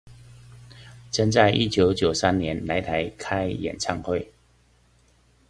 曾在一九九三年來台開演唱會